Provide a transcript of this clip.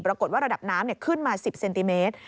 ปรากฏว่าระดับน้ำขึ้นมา๑๐เซนติเมตร